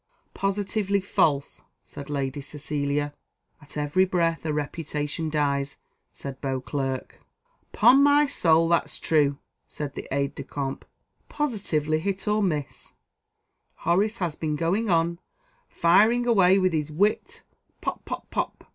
"Positively false," said Lady Cecilia. "At every breath a reputation dies," said Beauclerc. "'Pon my soul, that's true!" said the aide de camp. "Positively, hit or miss, Horace has been going on, firing away with his wit, pop, pop, pop!